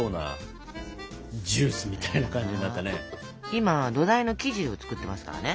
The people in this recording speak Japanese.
今土台の生地を作ってますからね。